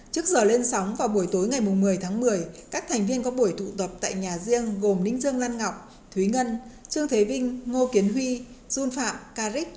trước giờ lên sóng vào buổi tối ngày một mươi tháng một mươi các thành viên có buổi tụ tập tại nhà riêng gồm đinh dương lan ngọc thúy ngân trương thế vinh ngô kiến huy dun phạm carid